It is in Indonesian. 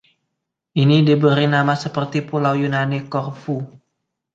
Ini diberi nama seperti pulau Yunani, Corfu.